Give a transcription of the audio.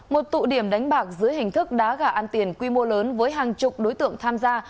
một tụ điểm đánh bạc dưới hình thức đá gà ăn tiền quy mô lớn với hàng chục đối tượng tham gia